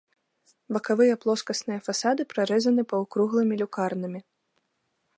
Бакавыя плоскасныя фасады прарэзаны паўкруглымі люкарнамі.